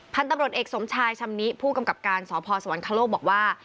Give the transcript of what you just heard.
พันธุ์ตำรวจเอกสมชายชำนิผู้กำกับการสพสวรรคโลกบอกว่า